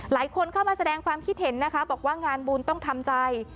หลายคนเข้ามาแสดงความคิดเห็นนะคะบอกว่างานบุญต้องทำใจ